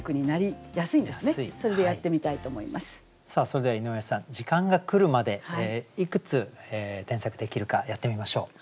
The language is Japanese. それでは井上さん時間が来るまでいくつ添削できるかやってみましょう。